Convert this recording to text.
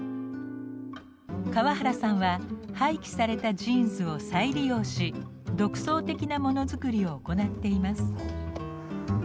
河原さんは廃棄されたジーンズを再利用し独創的なモノづくりを行っています。